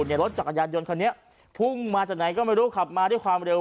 รถจักรยานยนต์คันนี้พุ่งมาจากไหนก็ไม่รู้ขับมาด้วยความเร็ว